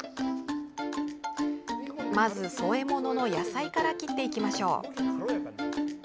まず添え物の野菜から切っていきましょう。